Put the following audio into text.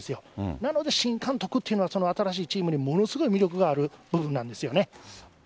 なので新監督というのは、新しいチームにものすごい魅力がある部分なんですよね。